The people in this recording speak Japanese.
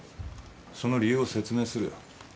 その理由を説明するよ。